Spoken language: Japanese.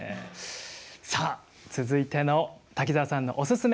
さあ続いての滝沢さんのおススメ